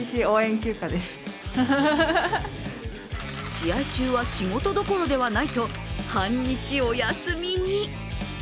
試合中は仕事どころではないと半日お休みに。